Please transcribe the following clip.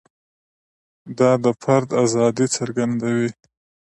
دا د فرد ازادي څرګندوي.